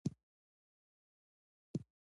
نمک د افغانستان د بشري فرهنګ برخه ده.